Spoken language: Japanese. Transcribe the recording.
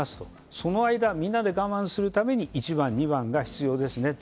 その間、みんなで我慢するために１番、２番が必要ですねと。